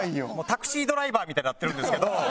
『タクシードライバー』みたいになってるんですけど。